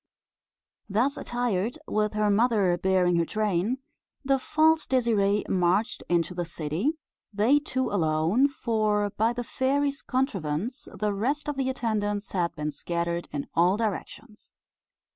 Thus attired, with her mother bearing her train, the false Désirée marched into the city they two alone; for, by the fairy's contrivance, the rest of the attendants had been scattered in all directions.